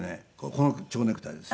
この蝶ネクタイです。